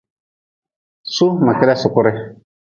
Su ma keda sukure.